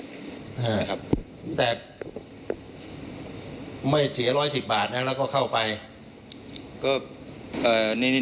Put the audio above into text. แต่ไม่เสีย๑๑๐บาทแล้วก็เข้าไป